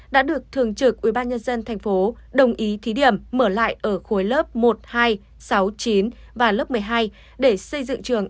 đã được thường trực ubnd tp đồng ý thí điểm mở lại ở khối lớp một hai sáu mươi chín và lớp một mươi hai để xây dựng trường